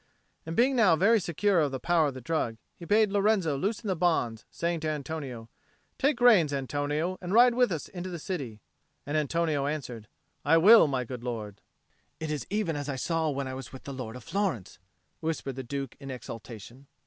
And being now very secure of the power of the drug, he bade Lorenzo loosen the bonds, saying to Antonio, "Take the reins, Antonio, and ride with us into the city." And Antonio answered, "I will, my good lord." "It is even as I saw when I was with the Lord of Florence," whispered the Duke in exultation.